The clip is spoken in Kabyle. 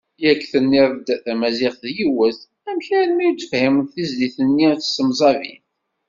Yak tenniḍ-d tamaziɣt yiwet, amek armi ur tefhimeḍ tizlit-nni s temẓabit?